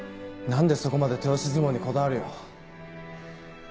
何でそこまで手押し相撲にこだわるよ？